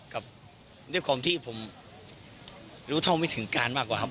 กับด้วยความที่ผมรู้เท่าไม่ถึงการมากกว่าครับ